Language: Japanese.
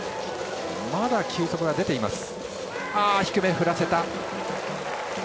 まだ球速が出ています。